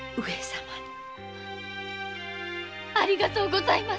ありがとうございます。